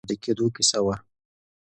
دا د دوو پښتنو د یو ځای کېدو کیسه وه.